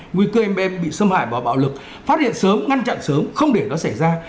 nguy cơ mb bị xâm hại và bạo lực phát hiện sớm ngăn chặn sớm không để nó xảy ra